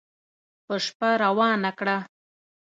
په شپه روانه کړه